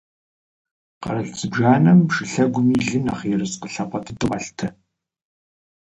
Къэрал зыбжанэм шылъэгум и лыр нэхъ ерыскъы лъапӏэ дыдэу къалъытэ.